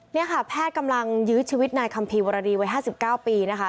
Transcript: นี่ค่ะแพทย์กำลังยื้อชีวิตนายคัมภีร์วรดีวัย๕๙ปีนะคะ